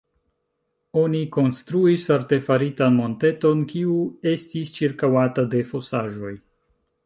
Oni konstruis artefaritan monteton, kiu estis ĉirkaŭata de fosaĵoj.